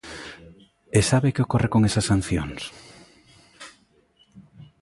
¿E sabe que ocorre con esas sancións?